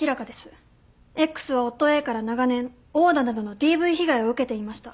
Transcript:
Ｘは夫Ａから長年殴打などのＤＶ被害を受けていました。